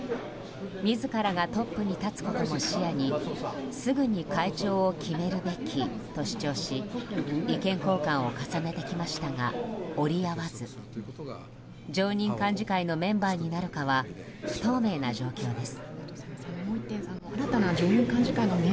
自らがトップに立つことも視野にすぐに会長を決めるべきと主張し意見交換を重ねてきましたが折り合わず常任幹事会のメンバーになるかは不透明な状況です。